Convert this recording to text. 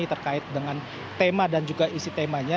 terkait dengan tema dan juga isi temanya